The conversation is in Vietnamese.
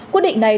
quyết định này